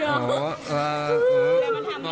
แต่มันทำได้ยิ่งอีก